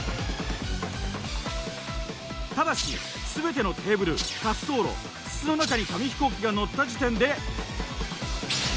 ただし全てのテーブル滑走路筒の中に紙飛行機が乗った時点で。